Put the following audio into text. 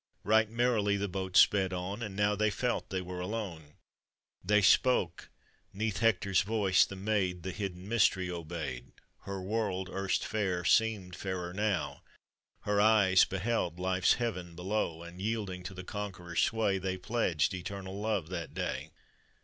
Kight merrily the boat sped on, And now they felt they were alone. They spoke! 'neath Hector's voice the maid The hidden mystery obeyed — Her world, erst fair, seemed fairer now, Her eyes beheld life's heaven below; And yielding to the conqueror's sway, They pledged eternal love that day.